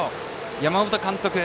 山本監督